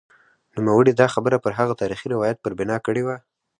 نوموړي دا خبره پر هغه تاریخي روایت پر بنا کړې وه.